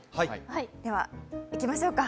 では、いきましょうか。